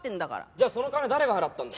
じゃあその金誰が払ったんだ？